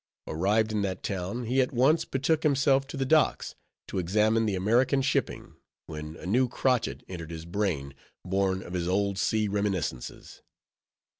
Arrived in that town, he at once betook himself to the docks, to examine the American shipping, when a new crotchet entered his brain, born of his old sea reminiscences.